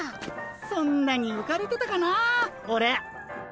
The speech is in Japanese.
そんなにうかれてたかなあオレ。